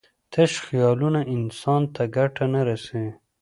تش خیالونه انسان ته ګټه نه رسوي.